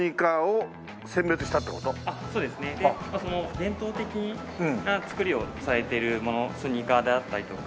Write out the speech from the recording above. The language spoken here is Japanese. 伝統的な作りをされているものスニーカーであったりとか。